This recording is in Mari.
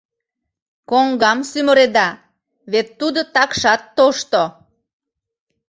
— Коҥгам сӱмыреда, вет тудо такшат тошто.